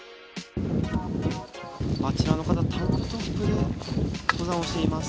あちらの方タンクトップで登山をしています。